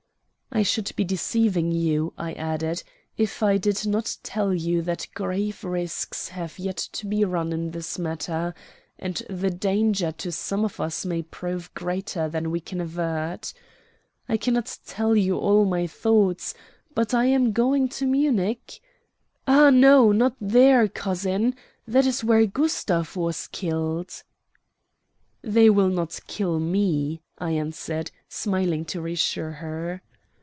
"I should be deceiving you," I added, "if I did not tell you that grave risks have yet to be run in this matter, and the danger to some of us may prove greater than we can avert. I cannot tell you all my thoughts, but I am going to Munich " "Ah, no, not there, cousin. That is where Gustav was killed." "They will not kill me," I answered, smiling to reassure her.